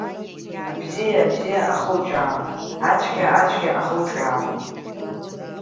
Абзиа абзиа ахылҿиаауеит, ацәгьа ацәгьа ахылҿиаауеит…